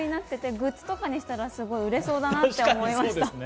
グッズにしたら売れそうだなって思いました。